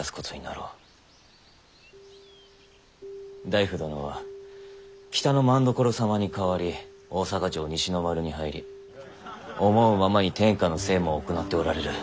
内府殿は北政所様に代わり大坂城西の丸に入り思うままに天下の政務を行っておられる。